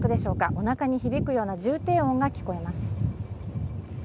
おなかに響くような重低音が聞こえます。